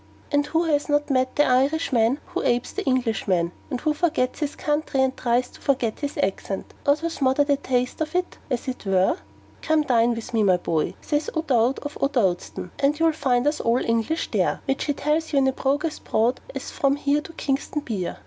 And who has not met the Irishman who apes the Englishman, and who forgets his country and tries to forget his accent, or to smother the taste of it, as it were? 'Come, dine with me, my boy,' says O'Dowd, of O'Dowdstown: 'you'll FIND US ALL ENGLISH THERE;' which he tells you with a brogue as broad as from here to Kingstown Pier.